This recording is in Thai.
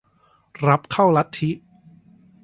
รับเข้าลัทธิ